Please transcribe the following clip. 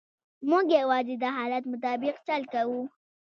موږ یوازې د حالت مطابق چل کوو.